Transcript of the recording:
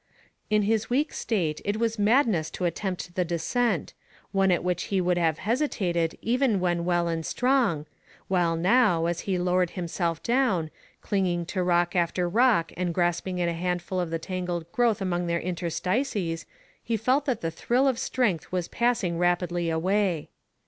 In his weak state it was madness to attempt the descent, one at which he would have hesitated even when well and strong, while now, as he low ered himself down, clinging to rock after rock and grasping at a handful of the tangled growth among their interstices, he felt that the thrill of strength was passing rapidly away.